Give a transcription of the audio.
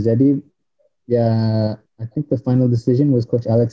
jadi ya saya pikir keputusan terakhir adalah keputusan coach alex